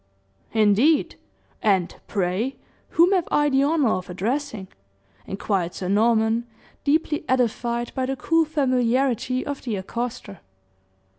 "Indeed! And, pray, whom have I the honor of addressing?" inquired Sir Norman, deeply edified by the cool familiarity of the accoster.